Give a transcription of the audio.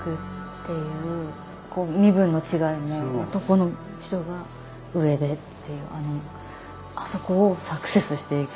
身分の違いも男の人が上でっていうあそこをサクセスしていく。